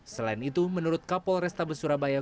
selain itu menurut kapolrestabes surabaya